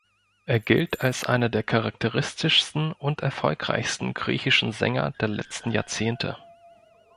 Er gilt als einer der charakteristischsten und erfolgreichsten griechischen Sänger der letzten Jahrzehnte.